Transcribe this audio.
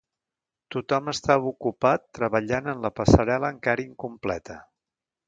Tothom estava ocupat treballant en la passarel·la encara incompleta.